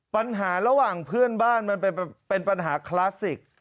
ปัญหาระหว่างเพื่อนบ้านมันเป็นปัญหาคลาสสิก